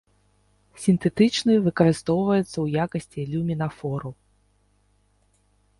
Сінтэтычны выкарыстоўваецца ў якасці люмінафору.